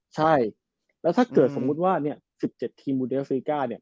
ใช่แล้วถ้าเกิดสมมุติว่า๑๗ทีมบูเดฟริกาเนี่ย